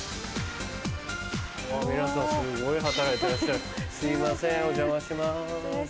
皆さんすごい働いてらっしゃるすいませんお邪魔します。